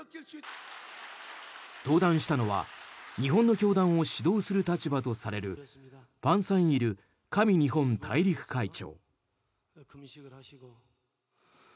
登壇したのは日本の教団を指導する立場とされるパン・サンイル神日本大陸会長。